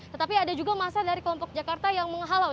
tetapi ada juga masa dari kelompok jakarta yang menghalau